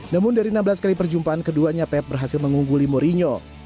namun dari enam belas kali perjumpaan keduanya pep berhasil mengungguli mourinho